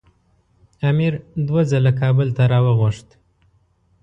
امیر دوه ځله کابل ته راوغوښت.